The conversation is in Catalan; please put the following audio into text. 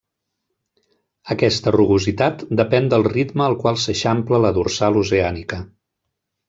Aquesta rugositat depèn del ritme al qual s'eixampla la dorsal oceànica.